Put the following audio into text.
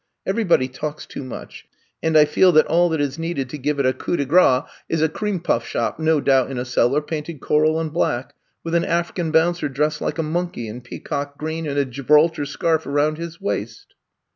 Everybody talks too much and I feel that all that is needed to give it a coup de grace is a cream puff shop, no doubt in a cellar, painted coral and black, with an African bouncer dressed like a I'VE COME TO STAY 23 monkey in peacock green and a Gibraltar scarf around his waist.